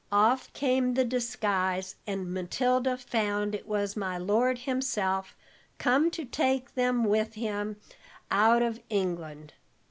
Off came the disguise, and Matilda found it was my lord himself, come to take them with him out of England.